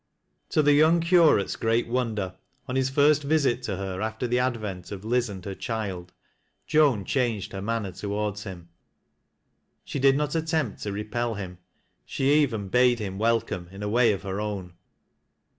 Td the young curate's great wonder, on his fet visit to her after the advent of Liz and her child, Joan changed lier manner towards him. She did not attempt to repel him, she even bade hi^n welcome in a way of her own.